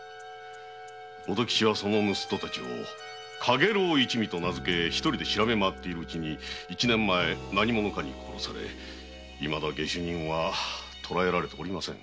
乙吉はその盗っ人たちを「かげろう一味」と名づけ独りで調べまわっているうちに一年前何者かに殺されいまだ下手人は捕えられておりません。